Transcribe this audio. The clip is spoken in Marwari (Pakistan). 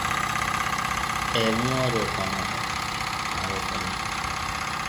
اَي اوون رو ٽوڻو هيَ مهارو ڪونَي